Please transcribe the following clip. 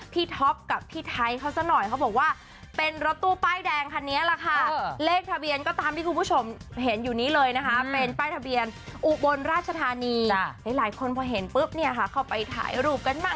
พี่ท๊อปกับพี่ไทยเค้าสักหน่อยเค้าบอกว่า